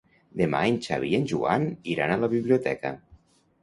Demà en Xavi i en Joan iran a la biblioteca.